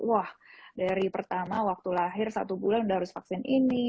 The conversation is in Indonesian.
wah dari pertama waktu lahir satu bulan udah harus vaksin ini